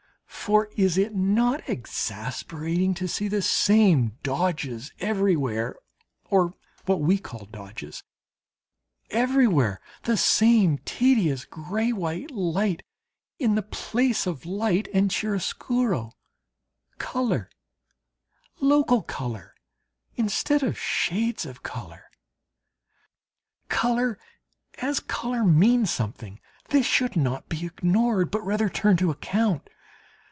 For is it not exasperating to see the same dodges everywhere (or what we call dodges) everywhere the same tedious gray white light, in the place of light and chiaroscuro, colour, local colour instead of shades of colour.... Colour as colour means something; this should not be ignored, but rather turned to account.